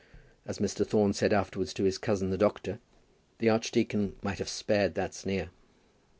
As Mr. Thorne said afterwards to his cousin the doctor, the archdeacon might have spared that sneer.